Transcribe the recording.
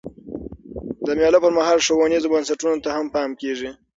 د مېلو پر مهال ښوونیزو بنسټونو ته هم پام کېږي.